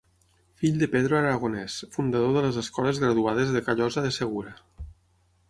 Fill de Pedro Aragonés, fundador de les Escoles Graduades de Callosa de Segura.